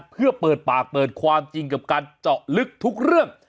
เพื่อเปิดปากเปิดความจริงกับการเจาะลึกทุกเรื่อง